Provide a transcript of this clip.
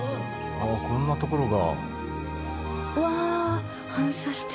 こんなところが。